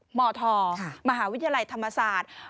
มธมหาวิทยาลัยธรรมศาสตร์